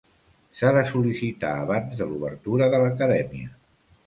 S'ha de sol·licitar abans de l'obertura de l'acadèmia.